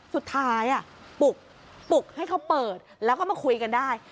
สุดท้ายปลุกให้เขาเปิดแล้วก็มาคุยกันได้